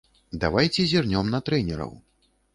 Давайце зірнём на трэнераў.